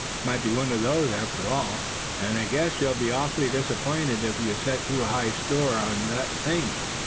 It might be one of these after all. And I guess you'd be awfully disappointed if you set too much store on that thing."